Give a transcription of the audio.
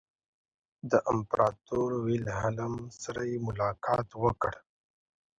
د امپراطور ویلهلم سره یې ملاقات وکړ.